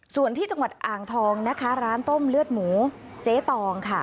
ส่วนที่จังหวัดอ่างทองนะคะร้านต้มเลือดหมูเจ๊ตองค่ะ